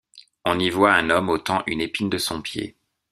On y voit un homme ôtant une épine de son pied.